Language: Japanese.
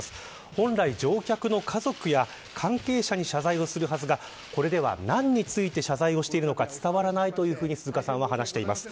本来、乗客の家族や関係者に謝罪をするはずがこれでは、何について謝罪をしているのか伝わらないと鈴鹿さんは話しています。